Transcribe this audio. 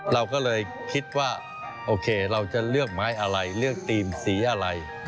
เราก็เลยคิดว่าโอเคเราจะเลือกไม้อะไรเลือกตีนสีอะไร